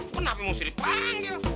kenapa mau sendiri panggil